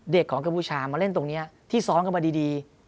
เด็กของกระบูชามาเล่นตรงนี้ที่ซ้อนกลับมาดี